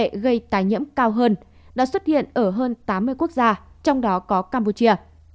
tỷ lệ gây tái nhiễm cao hơn đã xuất hiện ở hơn tám mươi quốc gia trong đó có campuchia